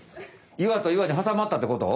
岩と岩にはさまったってこと？